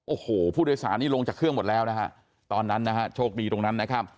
โอ้โหผู้โดยสารนี่ลงจากเครื่องหมดแล้วนะฮะตอนนั้นนะฮะโชคดีตรงนั้นนะครับ